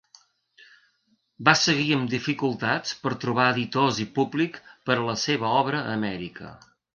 Va seguir amb dificultats per trobar editors i públic per a la seva obra a Amèrica.